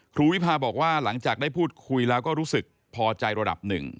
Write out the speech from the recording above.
วิพาบอกว่าหลังจากได้พูดคุยแล้วก็รู้สึกพอใจระดับหนึ่ง